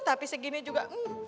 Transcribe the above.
tapi segini juga